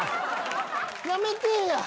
やめてえや。